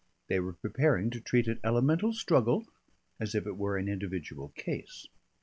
They were preparing to treat an elemental struggle as if it were an individual case.